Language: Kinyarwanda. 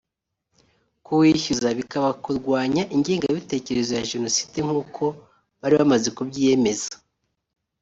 kuwishyura bikaba kurwanya ingengabitekerezo ya Jenoside nk’uko bari bamaze kubyiyemeza